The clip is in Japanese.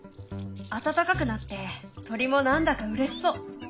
暖かくなって鳥も何だかうれしそう。